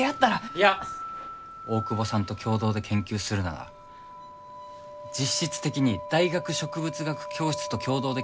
いや大窪さんと共同で研究するなら実質的に大学植物学教室と共同で研究するということだろう？